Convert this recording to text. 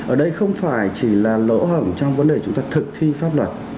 ở đây không phải chỉ là lỗ hỏng trong vấn đề chúng ta thực thi pháp luật